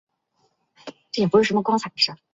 病灶时常会在身上其他区域轮流出现。